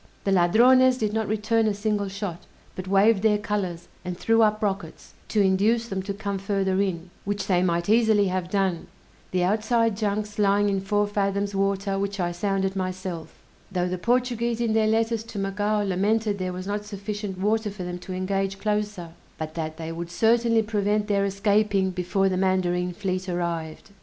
The Ladrones did not return a single shot, but waved their colors, and threw up rockets, to induce them to come further in, which they might easily have done, the outside junks lying in four fathoms water which I sounded myself: though the Portuguese in their letters to Macao lamented there was not sufficient water for them to engage closer, but that they would certainly prevent their escaping before the mandarine fleet arrived!